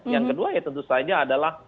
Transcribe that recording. yang kedua ya tentu saja adalah